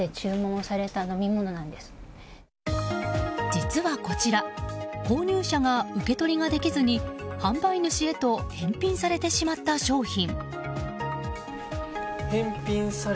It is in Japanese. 実はこちら購入者が受け取りができずに販売主へと返品されてしまった商品。